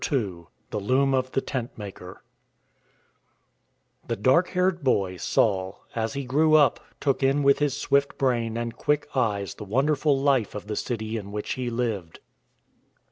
II THE LOOM OF THE TENT MAKER THE dark haired boy, Saul, as he grew up, took in with his swift brain and quick eyes the wonderful life of the city in which he lived.